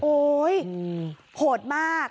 โอ๊ยโหดมาก